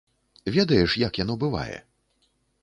Ведаеш, як яно бывае?